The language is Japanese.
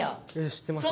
知ってます。